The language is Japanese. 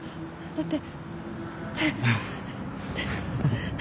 だって。